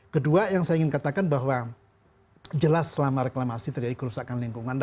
kedua yang saya ingin katakan bahwa jelas selama reklamasi terjadi kerusakan lingkungan